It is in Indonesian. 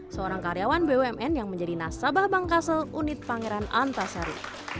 seorang karyawan bumn yang menjadi nasabah bank kasel unit pangeran antasari